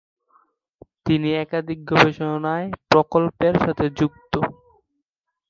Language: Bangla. তিনি একাধিক গবেষণা প্রকল্পের সাথেও যুক্ত।